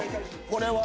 これは。